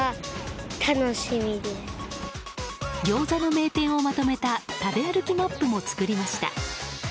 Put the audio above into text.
ギョーザの名店をまとめた食べ歩きマップも作りました。